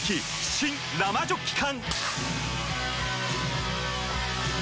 新・生ジョッキ缶！